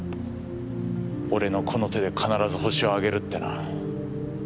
俺のこの手で必ずホシを挙げるってな。